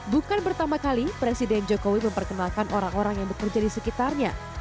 bukan pertama kali presiden jokowi memperkenalkan orang orang yang bekerja di sekitarnya